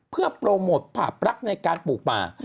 เพื่อโปรโมทภาพรักในการปลูกป่า